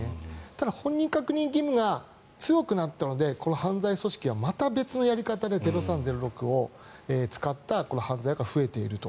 ただ、本人確認義務が強くなったので犯罪組織はまた別のやり方で「０３」「０６」を使った犯罪が増えていると。